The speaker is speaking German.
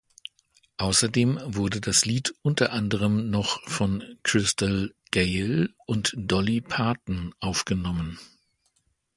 Außerdem wurde das Lied unter anderem noch von Crystal Gayle und Dolly Parton aufgenommen.